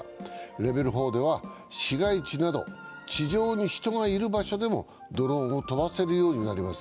レベル４では市街地など、地上に人がいる場所でもドローンを飛ばせるようになります。